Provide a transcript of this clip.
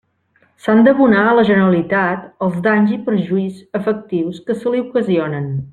S'han d'abonar a la Generalitat els danys i perjuís efectius que se li ocasionen.